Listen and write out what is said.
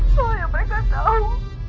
soalnya mereka tahu